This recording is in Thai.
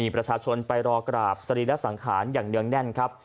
ไปรอกราบสรีระสังขารอย่างเนื้องแน่นครับ